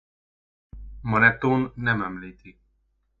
Manethón nem említi.